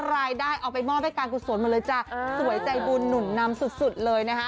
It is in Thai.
รายได้เอาไปมอบให้การกุศลหมดเลยจ้ะสวยใจบุญหนุนนำสุดเลยนะคะ